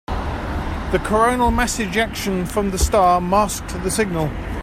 The coronal mass ejection from the star masked the signal.